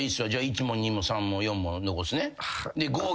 １も２も３も４も残すね。